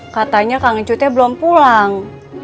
katanya kang ncu belum pulang